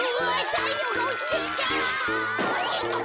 たいようがおちてきた。